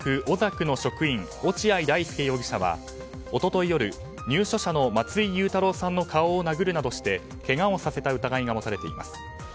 おざくの職員落合大丞容疑者は一昨日夜入所者の松井祐太朗さんの顔を殴るなどしてけがをさせた疑いが持たれています。